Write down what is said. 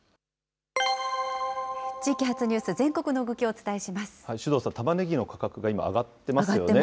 地域発ニュース、全国の動き首藤さん、たまねぎの価格が上がってますね。